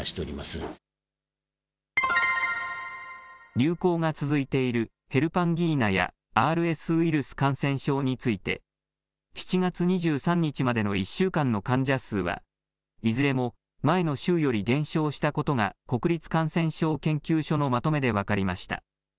流行が続いているヘルパンギーナやＲＳウイルス感染症について、７月２３日までの１週間の患者数は、いずれも前の週より減少したことが、国立感染症研究所のまとめで分かりました。